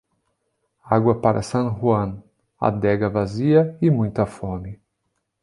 Água para San Juan, adega vazia e muita fome.